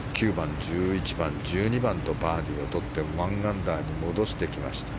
９番、１１番、１２番とバーディーをとって１アンダーに戻してきました。